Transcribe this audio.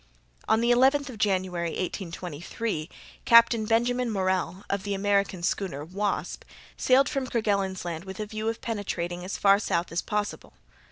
On the 11th of January, 1823, Captain Benjamin Morrell, of the American schooner Wasp, sailed from Kerguelen's Land with a view of penetrating as far south as possible.